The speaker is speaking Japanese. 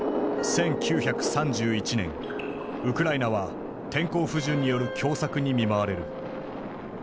１９３１年ウクライナは天候不順による凶作に見舞われる。